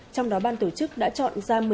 trong đó bàn tổ chức đã chọn ra